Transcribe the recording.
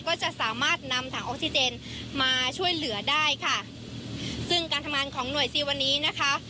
ก็จะสามารถนำถังออกซิเจนมาช่วยเหลือได้ค่ะซึ่งการทำงานของหน่วยซีลวันนี้นะคะ